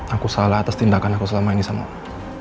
aku salah atas tindakan aku selama ini sama aku